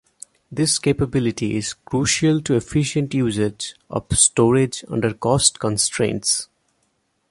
This capability is crucial to efficient usage of storage under cost constraints.